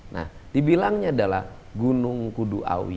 nah dibilangnya adalah gunung kudu awi